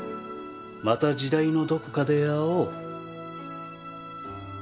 また時代のどこかで会おう。